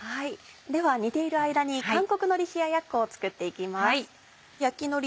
では煮ている間に韓国のり冷ややっこを作っていきます。